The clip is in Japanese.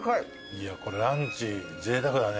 いやこれランチぜいたくだね。